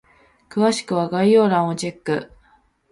詳しくは概要欄をチェック！